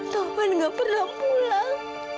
taufan nggak pernah pulang